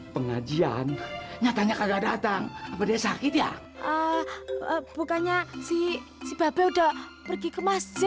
pengajian nyatanya kagak datang berdasar kita bukannya sih si babel udah pergi ke masjid